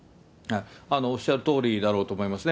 おっしゃるとおりだろうと思いますね。